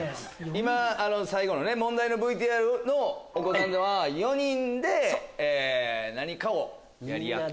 今問題のＶＴＲのお子さんは４人で何かをやり合ってた。